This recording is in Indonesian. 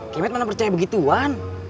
gimet mana percaya begituan